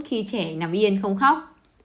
khi trẻ nằm yên không khóc